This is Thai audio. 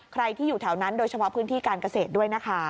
ใครที่อยู่แถวนั้นโดยเฉพาะพื้นที่การเกษตรด้วยนะคะ